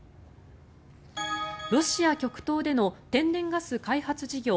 ロシア極東での天然ガス開発事業